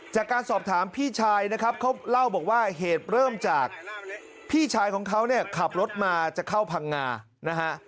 จากการสอบถามพี่ชายนะครับเขาเล่าบอกว่าเหตุเริ่มจากพี่ชายของเขาเนี่ยขับรถมาจะเข้าพังงานะฮะ